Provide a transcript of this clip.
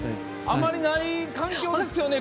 あまりない環境ですよね